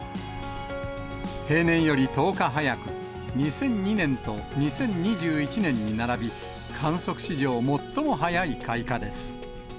平年より１０日早く、２００２年と２０２１年に並び、観測史上最も早い開花です。